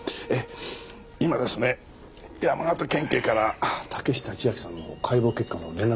今ですね山形県警から竹下千晶さんの解剖結果の連絡が入りました。